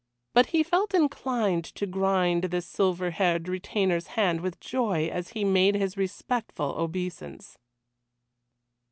But he felt inclined to grind this silver haired retainer's hand with joy as he made his respectful obeisance.